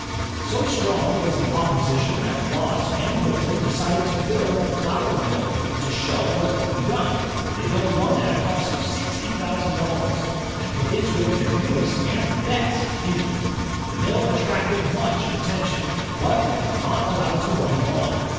So strong was the opposition that Watt and Boulton decided to build a flour mill, to show what could be done. They built one at a cost of sixty thousand dollars, and put into it their newest and best engine. The mill attracted much attention. But it was not allowed to run long.